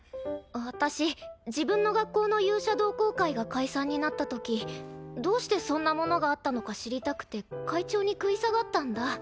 私自分の学校の勇者同好会が解散になったときどうしてそんなものがあったのか知りたくて会長に食い下がったんだ。